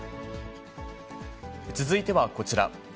続いてはこちら。